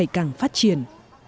đang phát triển